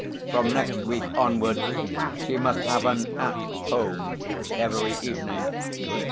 From next week onwards she must have an 'At Home' every evening.